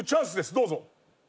どうぞ。